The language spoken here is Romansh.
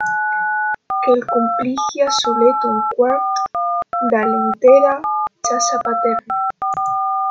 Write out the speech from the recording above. Quel cumpiglia sulet ün quart da l’intera Chasa paterna.